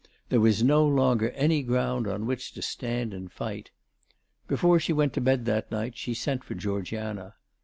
There was no longer any ground on which to stand and fight. Before she went to bed that night she sent for Georgiana.